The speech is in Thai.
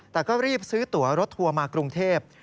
แต่ก็รีบซื้อตัวรถทัวร์มากรุงเทพ